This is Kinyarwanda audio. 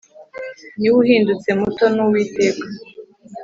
ni w' uhindutse muto; n' uwiteka